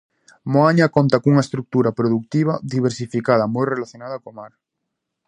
Moaña conta cunha estrutura produtiva diversificada moi relacionada co mar.